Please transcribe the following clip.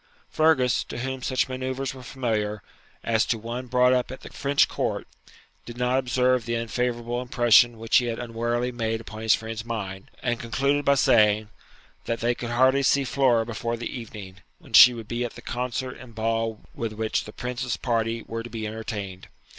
Fergus, to whom such manoeuvres were familiar, as to one brought up at the French court, did not observe the unfavourable impression which he had unwarily made upon his friend's mind, and concluded by saying,' that they could hardly see Flora before the evening, when she would be at the concert and ball with which the Prince's party were to be entertained.